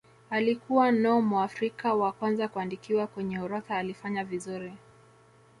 alikuwa no muafrika wa kwanza kuandikwa kwenye orodha alifanya vizuri